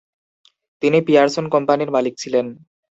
তিনি পিয়ারসন কোম্পানির মালিক ছিলেন।